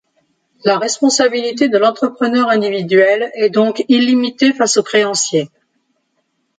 La responsabilité de l'entrepreneur individuel est donc illimitée face aux créanciers.